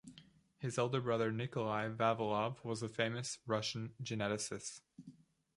His elder brother Nikolai Vavilov was a famous Russian geneticist.